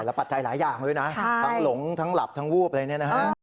ปัจจัยหลายอย่างด้วยนะทั้งหลงทั้งหลับทั้งวูบอะไรเนี่ยนะฮะ